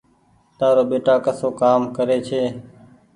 تآرو ٻيٽآ ڪسو ڪآم ڪري ڇي۔